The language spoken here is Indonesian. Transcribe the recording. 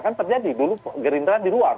kan terjadi dulu gerindra di luar